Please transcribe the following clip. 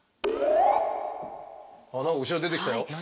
あっ何か後ろに出てきたよ。何？